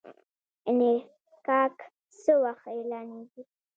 انفکاک څه وخت اعلانیږي؟